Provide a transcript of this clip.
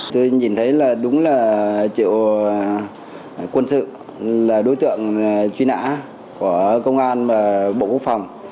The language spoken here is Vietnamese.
tôi nhìn thấy là đúng là triệu quân sự là đối tượng truy nã của công an và bộ quốc phòng